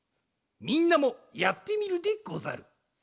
みんなもやってみるでござる。